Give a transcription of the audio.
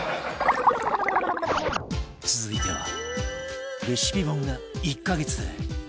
続いてはレシピ本が１カ月で１０万